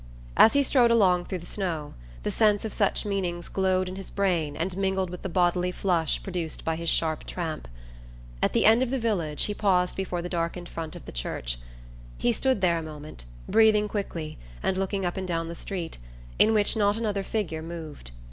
As he strode along through the snow the sense of such meanings glowed in his brain and mingled with the bodily flush produced by his sharp tramp. At the end of the village he paused before the darkened front of the church. He stood there a moment, breathing quickly, and looking up and down the street, in which not another figure moved.